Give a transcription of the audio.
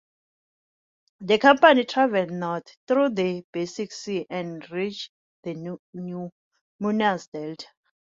The company traveled north, through the Baltic Sea, and reached the Nemunas Delta.